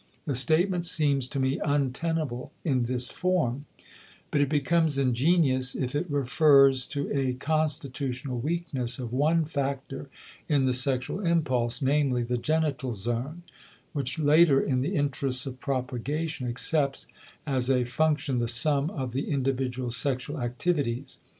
The statement seems to me untenable in this form, but it becomes ingenious if it refers to a constitutional weakness of one factor in the sexual impulse, namely, the genital zone, which later in the interests of propagation accepts as a function the sum of the individual sexual activities.